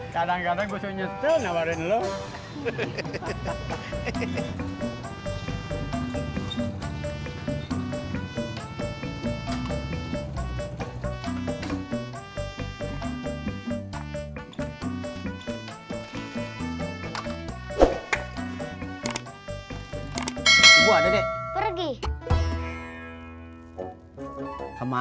kadang kadang gue senyum